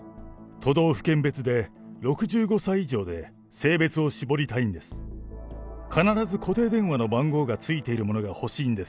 都道府県別で６５歳以上で性別を絞りたいんです。